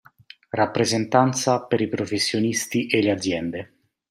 Rappresentanza per i professionisti e le aziende.